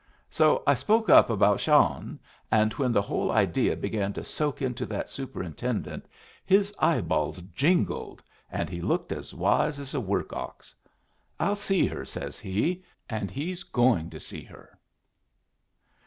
So I spoke up about Shawhan, and when the whole idea began to soak into that superintendent his eyeballs jingled and he looked as wise as a work ox. 'I'll see her,' says he. And he's going to see her."